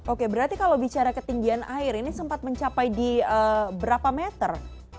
oke berarti kalau bicara ketinggian air ini sempat mencapai di berapa meter